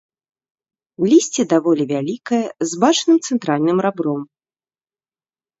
Лісце даволі вялікае, з бачным цэнтральным рабром.